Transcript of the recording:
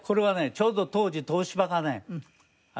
ちょうど当時東芝がね